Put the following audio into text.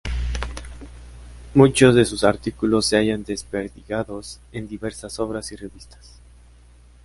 Muchos de sus artículos se hayan desperdigados en diversas obras y revistas.